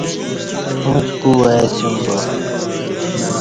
اݩڅ کو اسیوم با